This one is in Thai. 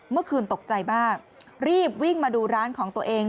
เมื่อคืนตกใจมากรีบวิ่งมาดูร้านของตัวเอง